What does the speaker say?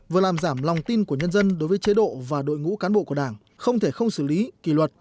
vừa làm giảm lòng tin của nhân dân đối với chế độ và đội ngũ cán bộ của đảng không thể không xử lý kỳ luật